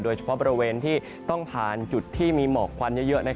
โดยเฉพาะบริเวณที่ต้องผ่านจุดที่มีหมอกควันเยอะ